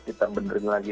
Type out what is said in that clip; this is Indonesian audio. kita benerin lagi